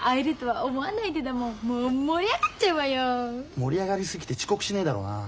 盛り上がりすぎて遅刻しねえだろうな？